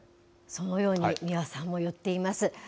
そのように三輪さんも言っています。